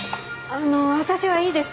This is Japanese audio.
あの私はいいです。